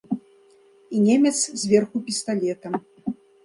І немец зверху пісталетам.